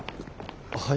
はい？